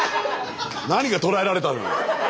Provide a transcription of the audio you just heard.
何が捕らえられたのよ。